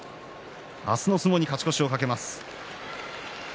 明日の相撲に勝ち越しを懸けます。